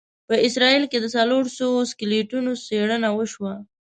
په اسرایل کې د څلوروسوو سکلیټونو څېړنه وشوه.